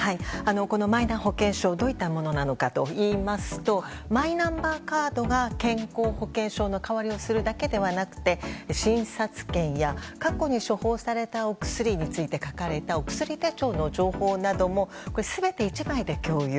このマイナ保険証どういったものなのかといいますとマイナンバーカードが健康保険証の代わりをするだけではなくて診察券や過去に処方されたお薬について書かれたお薬手帳の情報なども全て１枚で共有。